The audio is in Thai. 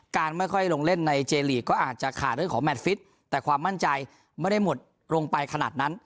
ไม่ค่อยลงเล่นในเจลีกก็อาจจะขาดเรื่องของแมทฟิตแต่ความมั่นใจไม่ได้หมดลงไปขนาดนั้น